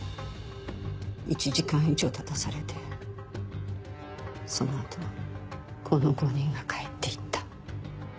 １時間以上立たされてその後この５人が帰って行った。